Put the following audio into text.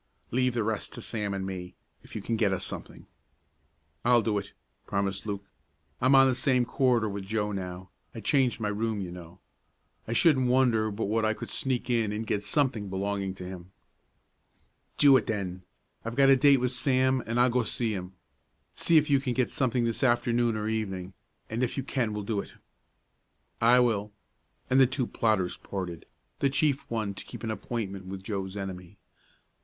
"Leave the rest to Sam and me, if you can get us something." "I'll do it!" promised Luke. "I'm on the same corridor with Joe now; I changed my room, you know. I shouldn't wonder but what I could sneak in and get something belonging to him." "Do it, then. I've got a date with Sam, and I'll go see him. See if you can get something this afternoon or evening, and if you can we'll do it." "I will," and the two plotters parted, the chief one to keep an appointment with Joe's enemy.